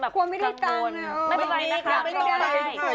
โกงทั้งปฏิภัณฑ์